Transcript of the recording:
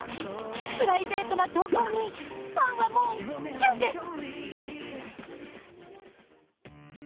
プライベートな投稿にファンはもうキュンです！